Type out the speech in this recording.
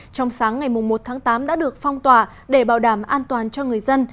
trong sáng ngày một tháng tám đã được phong tỏa để bảo đảm an toàn cho người dân